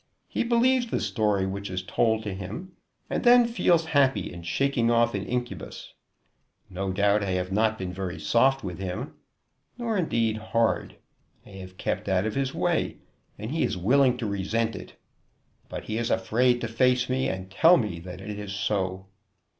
He believes the story which is told to him, and then feels happy in shaking off an incubus. No doubt I have not been very soft with him, nor, indeed, hard. I have kept out of his way, and he is willing to resent it; but he is afraid to face me and tell me that it is so.